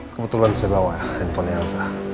kebetulan saya bawa handphone nya